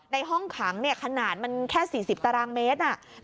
ในห้องขังขนาดแค่๔๐ตรเมตร